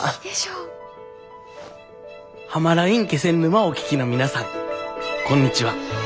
「はまらいん気仙沼」をお聴きの皆さんこんにちは。